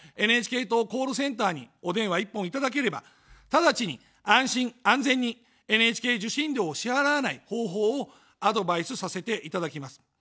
ＮＨＫ党コールセンターにお電話一本いただければ、直ちに安心・安全にＮＨＫ受信料を支払わない方法をアドバイスさせていただきます。